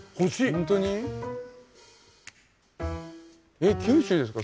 えっ九州ですか？